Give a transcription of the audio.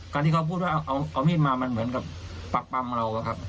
การที่เขาพูดว่าเอามีดมามันเหมือนกับปักปำเราอะครับ